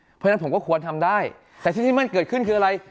เพราะฉะนั้นผมก็ควรทำได้แต่สิ่งที่มันเกิดขึ้นคืออะไร